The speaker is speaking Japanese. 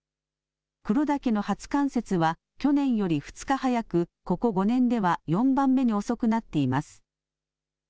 黒岳の初冠雪は去年より２日早く、ここ５年では４番目に遅くなっています。